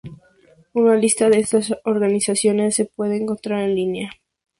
Una lista de estas organizaciones se puede encontrar en línea.